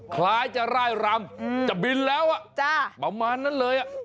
คล้ายจะร่ายรำจะบินแล้วประมาณนั้นเลย